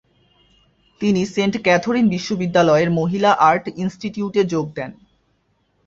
তিনি Saint Catherine বিশ্ববিদ্যালয়ের মহিলা আর্ট ইনস্টিটিউটে যোগ দেন।